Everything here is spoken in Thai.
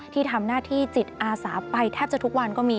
ที่ทำหน้าที่จิตอาสาไปแทบจะทุกวันก็มี